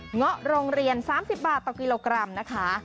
เงาะโรงเรียน๓๐บาทต่อกิโลกรัมนะคะ